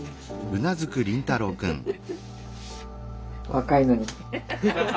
若いのに。